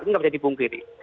itu tidak menjadi pungkiri